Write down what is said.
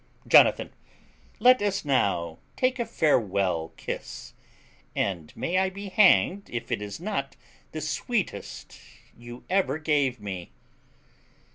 Jonathan. Let us now take a farewell kiss, and may I be hanged if it is not the sweetest you ever gave me.